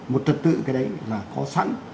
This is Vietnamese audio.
một trật tự cái đấy là có sẵn